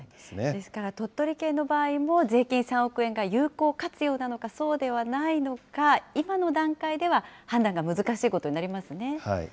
ですから鳥取県の場合も、税金３億円が有効活用なのか、そうではないのか、今の段階では判断が難しいことになりますね。